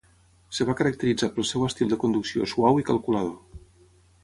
Es va caracteritzar pel seu estil de conducció suau i calculador.